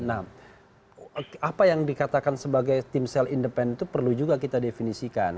nah apa yang dikatakan sebagai timsel indepen itu perlu juga kita definisikan